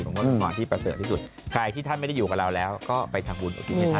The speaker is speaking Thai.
ของคนของขวานที่เบาเสือดที่สุดใครที่ท่านไม่ได้อยู่กับเราแล้วก็ไปทางบุญ